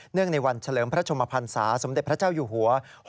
ในวันเฉลิมพระชมพันศาสมเด็จพระเจ้าอยู่หัว